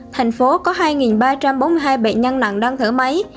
thành phố có hai ba trăm bốn mươi hai bệnh nhân nặng đang thở máy